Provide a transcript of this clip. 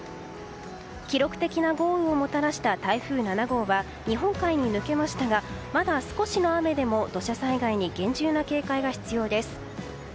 記録的な豪雨をもたらした台風７号は日本海に抜けましたがまだ少しの雨でも土砂災害に厳重な警戒が必要です。